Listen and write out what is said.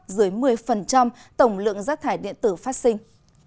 dưới một mươi tổng lượng rác thải điện tử phát sinh